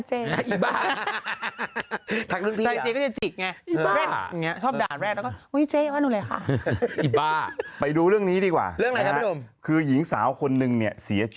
ใช่ค่ะก็จะเจออย่างอย่างงี้เจ๊ที่โรงลียก็สวัสดีค่ะเจ้